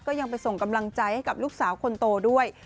ยังไปส่งกำลังใจให้กับลูกสาวคนโตด้วย